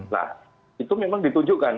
nah itu memang ditunjukkan